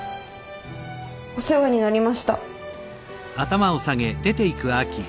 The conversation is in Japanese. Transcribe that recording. お世話になりました。